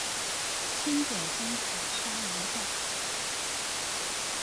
輕軌濱海沙崙站